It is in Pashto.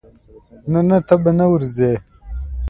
نه نه ته به نه ورزې.